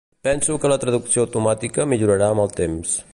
Penso que la traducció automàtica millorarà amb el temps.